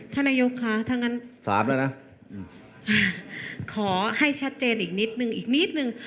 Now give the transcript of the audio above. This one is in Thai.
ท่านนายกครับถ้างั้นขอให้ชัดเจนอีกนิดนึงอีกนิดนึง